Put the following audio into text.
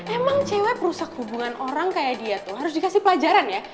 emang cewek merusak hubungan orang kayak dia tuh harus dikasih pelajaran ya